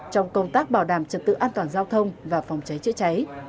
trong công tác bảo đảm trật tự an toàn giao thông và phòng cháy chữa cháy